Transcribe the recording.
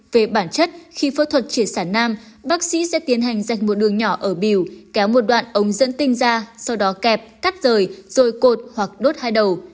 về bản chất khi phẫu thuật chỉ sản nam bác sĩ sẽ tiến hành dạch một đường nhỏ ở biểu kéo một đoạn ống dẫn tinh ra sau đó kẹp cắt rời rồi cột hoặc đốt hai đầu